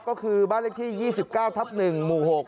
ก็คือบ้านเลขที่๒๙ทับ๑หมู่๖